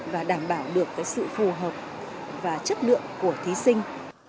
và đảm bảo được sự phù hợp và chất lượng của thí sinh